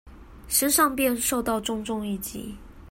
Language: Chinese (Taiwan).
身上便受到重重一擊